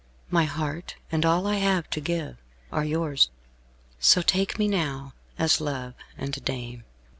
My heart, and all I have to give, are yours, so take me now as love and dame."